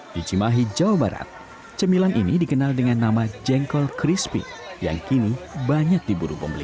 di cimahi jawa barat cemilan ini dikenal dengan nama jengkol crispy yang kini banyak diburu pembeli